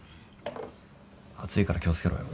熱いから気を付けろよ。